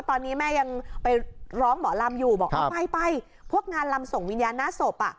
ตอนนี้แม่ยังไปร้องหมอลำอยู่บอกเอาไปไปพวกงานลำส่งวิญญาณหน้าศพ